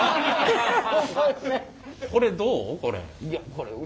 これどう？